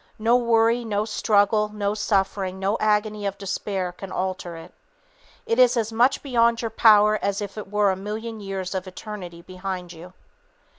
No worry, no struggle, no suffering, no agony of despair can alter it. It is as much beyond your power as if it were a million years of eternity behind you.